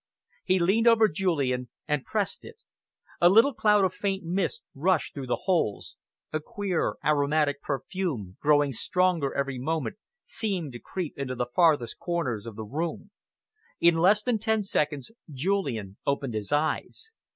He leaned over Julian and pressed it. A little cloud of faint mist rushed through the holes; a queer, aromatic perfume, growing stronger every moment, seemed to creep into the farthest corners of the room. In less than ten seconds Julian opened his eyes.